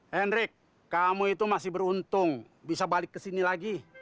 hendrik kamu itu masih beruntung bisa balik ke sini lagi